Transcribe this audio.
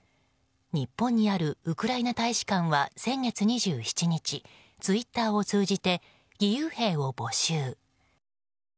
日本にあるウクライナ大使館は先月２７日ツイッターを通じて義勇兵を募集。